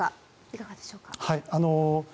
いかがでしょうか。